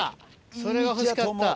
それが欲しかった。